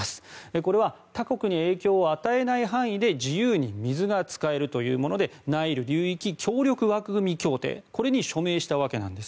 これは他国に影響を与えない範囲で自由に水が使えるというものでナイル流域協力枠組み協定に署名したわけなんです。